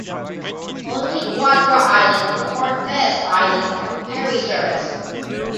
Only Quadra Island and Cortes Island have ferry service.